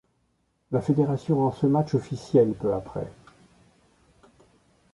La fédération rend ce match officiel peu après.